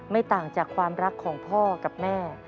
ไม่ต่างจากความรักของพ่อกับแม่